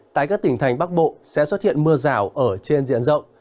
tại các tỉnh thành bắc bộ sẽ xuất hiện mưa rào ở trên diện rộng